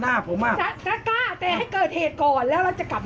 เอามาถ่ายใหม่